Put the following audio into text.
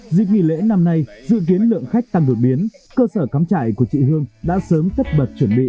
dịp nghỉ lễ năm nay dự kiến lượng khách tăng đột biến cơ sở cắm trại của chị hương đã sớm tất bật chuẩn bị